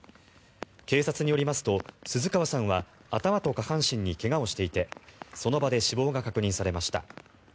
警察によりますと、鈴川さんは頭と下半身に怪我をしていてその場で死亡が確認されました。